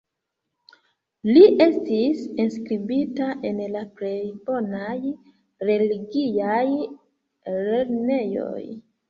Li estis enskribita en la plej bonaj religiaj lernejoj.